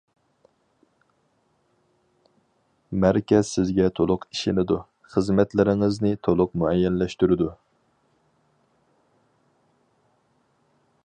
مەركەز سىزگە تولۇق ئىشىنىدۇ، خىزمەتلىرىڭىزنى تولۇق مۇئەييەنلەشتۈرىدۇ.